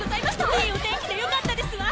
いいお天気でよかったですわ。